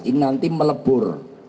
ini nanti melebur